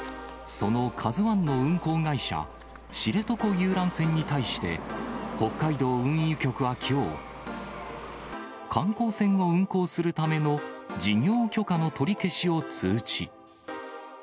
そのＫＡＺＵＩの運航会社、知床遊覧船に対して、北海道運輸局はきょう、観光船を運航するための事業許可の取り消しを通知。